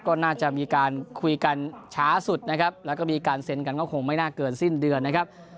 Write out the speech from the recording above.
ก็น่าจะมีการคุยกันช้าสุดนะครับแล้วก็มีการเซ็นกันก็คงไม่น่าเกินสิ้นเดือนนะครับ